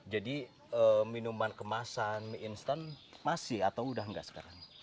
jadi minuman kemasan mie instan masih atau udah nggak sekarang